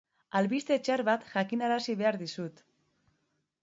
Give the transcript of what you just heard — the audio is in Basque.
Albiste txar bat jakinarazi behar dizut.